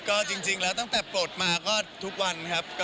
ก็จริงแล้วตั้งแต่ปลดมาก็ทุกวันครับ